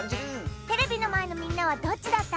テレビのまえのみんなはどっちだった？